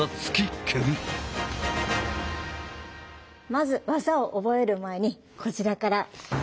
まず技を覚える前にこちらから。